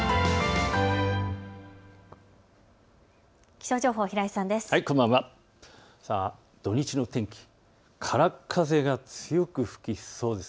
気象情報、平井さんです。